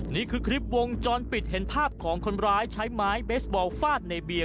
นี่คือคลิปวงจรปิดเห็นภาพของคนร้ายใช้ไม้เบสบอลฟาดในเบียร์